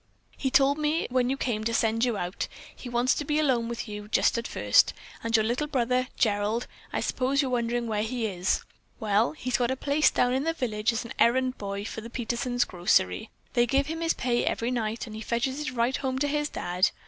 "He told me when you came to send you out. He wants to be alone with you just at first. And your little brother, Gerald; I s'pose you're wondering where he is. Well, he's got a place down in the village as errand boy for Peterson's grocery. They give him his pay every night, and he fetches it right home to his Dad.